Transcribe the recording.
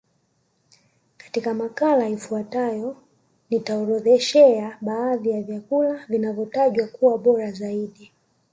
Katika makala ifuatayo nitakuorodhoshea baadhi ya vyakula vinavyotajwa kuwa bora zaidi